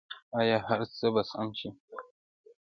آیا هر څه به سم شي؟